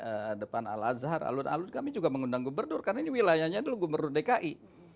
di depan al azhar alun alun kami juga mengundang gubernur karena ini wilayahnya dulu gubernur dki